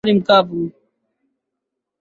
Wali mkavu.